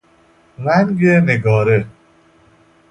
رنگ نگاره